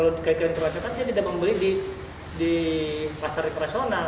kalau dikaitkan dengan perlacokan tidak membeli di pasar internasional